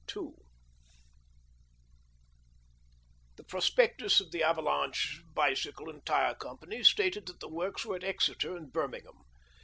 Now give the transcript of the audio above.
Ill The prospectus of the " Avalanche Bicycle and Tyre Company" stated that the works were at Exeter and Birmingham.